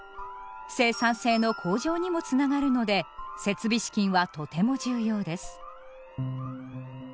生産性の向上にもつながるので設備資金はとても重要です。